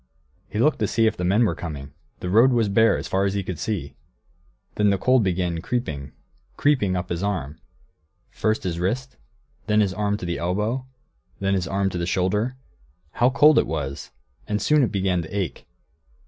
He looked to see if the men were coming; the road was bare as far as he could see. Then the cold began creeping, creeping, up his arm; first his wrist, then his arm to the elbow, then his arm to the shoulder; how cold it was! And soon it began to ache.